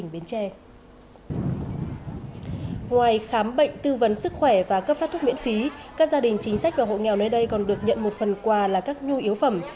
ngoài khám bệnh tư vấn sức khỏe và cấp phát thuốc miễn phí các gia đình chính sách và hộ nghèo nơi đây còn được nhận một phần quà là các nhu yếu phẩm